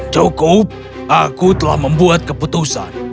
cukup aku telah membuat keputusan